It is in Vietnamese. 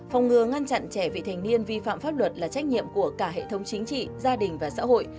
phòng ngừa ngăn chặn trẻ vị thành niên vi phạm pháp luật là trách nhiệm của cả hệ thống chính trị gia đình và xã hội